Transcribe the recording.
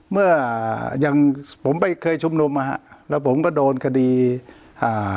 เมื่อยังผมไปเคยชุมนุมอ่ะฮะแล้วผมก็โดนคดีอ่า